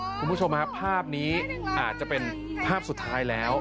คุณผู้ชมครับภาพนี้อาจจะเป็นภาพสุดท้ายแล้ว